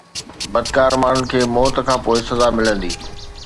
بدڪار ماڻهن کي موت کان پوءِ سزا ملندي